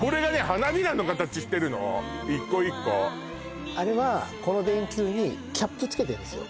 花びらの形してるの１個１個あれはこの電球にキャップ付けてるんですよ